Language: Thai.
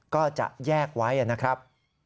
ก็จะแยกไว้นะครับ